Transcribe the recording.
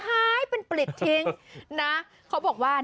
หายเป็นปลิดทิ้งนะ